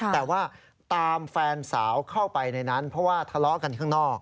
แต่ว่าตามแฟนสาวเข้าไปในนั้นเพราะว่าทะเลาะกันข้างนอก